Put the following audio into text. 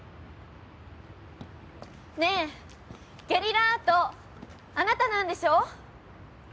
ねえゲリラアートあなたなんでしょ？